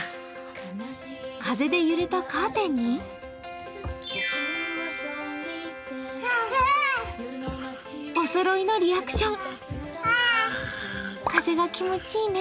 風で揺れたカーテンにおそろいのリアクション。